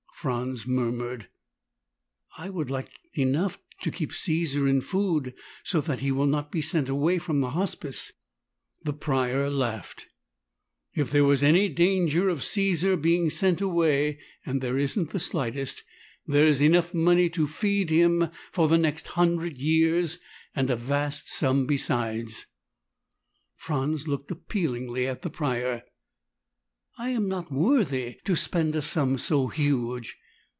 Franz murmured, "I would like enough to keep Caesar in food, so that he will not be sent away from the Hospice." The Prior laughed. "If there was any danger of Caesar being sent away and there isn't the slightest there is enough money to feed him for the next hundred years and a vast sum besides." Franz looked appealingly at the Prior. "I am not worthy to spend a sum so huge!"